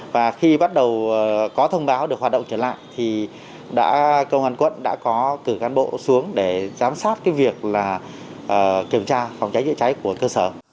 và khi bắt đầu có thông báo được hoạt động trở lại công an quận đã có cử can bộ xuống để giám sát việc kiểm tra phòng cháy chữa cháy của cơ sở